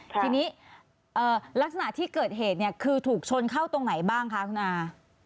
ทีนี้ลักษณะที่เกิดเหตุเนี่ยคือถูกชนเข้าตรงไหนบ้างคะคุณอา